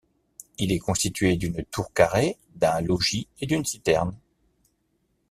Il est constitué d'une tour carrée, d'un logis et d'une citerne.